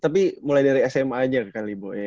tapi mulai dari sma aja kali bu ya